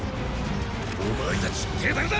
お前たち手練だ！